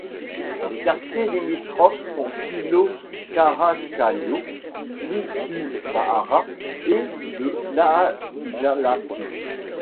Les quartiers limitrophes sont Kilo-Karakallio, Lintuvaara et de Laajalahti.